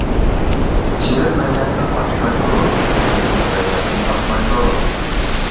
چىۋىن مەينەتتىن قاچمايدۇ، ھەسەتخور غەيۋەتتىن قاچمايدۇ.